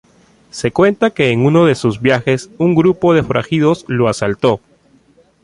Se cuenta que en uno de sus viajes un grupo de forajidos lo asaltó.